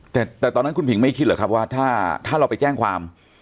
แต่ตอนนั้นคุณผิงไม่คิดเหรอครับว่าถ้าเราไปแจ้งความ